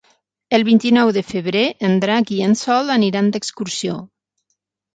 El vint-i-nou de febrer en Drac i en Sol aniran d'excursió.